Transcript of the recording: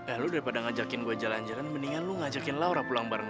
eh lo daripada ngajakin gue jalan jalan mendingan lo ngajakin laura pulang bareng lo